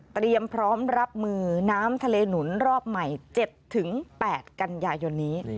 เตรียมพร้อมรับมือน้ำทะเลหนุนรอบใหม่๗๘กันยายนนี้